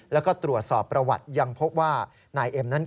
แล้วก็ตรวจสอบประวัติยังพบว่านายเอ็มนั้น